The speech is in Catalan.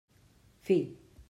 Fi.